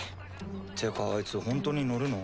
ってかあいつほんとに乗るの？